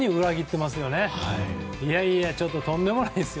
いやいやちょっととんでもないですよ。